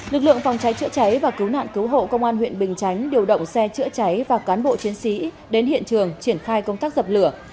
lực lượng phòng cháy chữa cháy và cứu nạn cứu hộ công an huyện bình chánh điều động xe chữa cháy và cán bộ chiến sĩ đến hiện trường triển khai công tác dập lửa